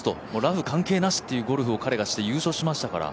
ラフ関係なしというゴルフをして彼が優勝しましたから。